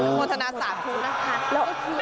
อนุโมทนาศาสตร์ทูนะคะ